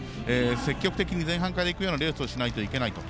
積極的に前半からいくようなレースをしなくちゃいけないと。